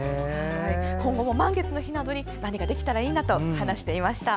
今後も満月の日などに何かできたらいいなと話していました。